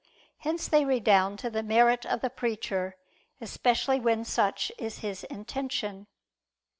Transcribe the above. Hence they redound to the merit of the preacher: especially when such is his intention.